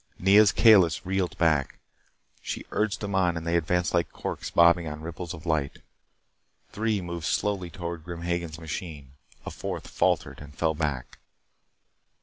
Nea's Kalis reeled back. She urged them on and they advanced like corks bobbing on ripples of light. Three moved slowly toward Grim Hagen's machine. A fourth faltered and fell back.